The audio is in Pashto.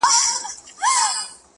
لوبي وې”